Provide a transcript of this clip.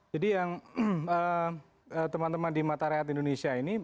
jadi yang teman teman di mata rakyat indonesia ini